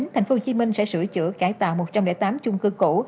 tp hcm sẽ sửa chữa cải tạo một trăm linh tám chung cư cũ